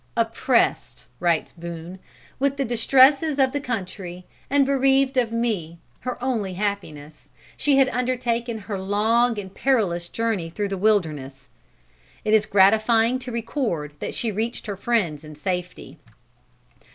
"Oppressed," writes Boone, "with the distresses of the country and bereaved of me, her only happiness, she had undertaken her long and perilous journey through the wilderness." It is gratifying to record that she reached her friends in safety.